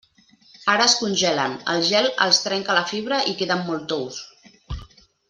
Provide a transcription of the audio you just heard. Ara es congelen, el gel els trenca la fibra i queden molt tous.